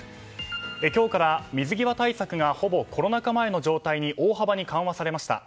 今日から水際対策がほぼコロナ禍前の状態に大幅に緩和されました。